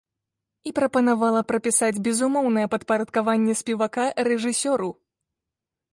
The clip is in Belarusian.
І прапанавала прапісаць безумоўнае падпарадкаванне спевака рэжысёру.